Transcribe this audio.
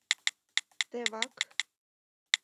— Тевак!